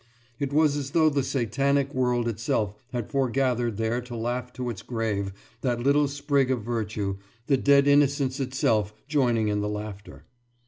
It was as though the Satanic world itself had foregathered there to laugh to its grave that little sprig of virtue, the dead innocence itself joining in the laughter.